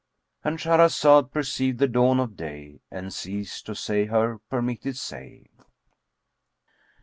—And Shahrazad perceived the dawn of day and ceased to say her permitted say.